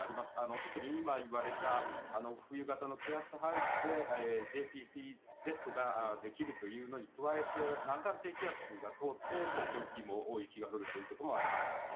特に今言われた冬型の気圧配置でＪＰＣＺができるというのに加えて南岸低気圧が通って東京付近も大雪が降るということがあります。